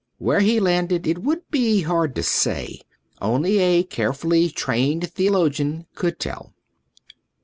Where he landed it would be hard to say. Only a carefully trained theologian could tell.